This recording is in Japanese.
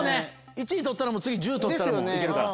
１位取ったら次１０取ったらもう行けるから。